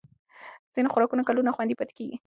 ځینې خوراکونه کلونه خوندي پاتې کېږي.